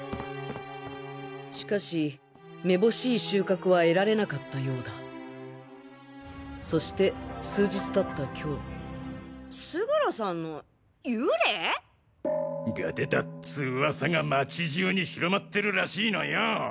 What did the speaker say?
しかしめぼしい収穫は得られなかったようだ現在そして数日経った今日勝呂さんの幽霊！？が出たっつ噂が街中に広まってるらしいのよぉ。